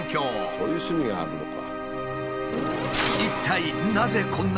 そういう趣味があるのか。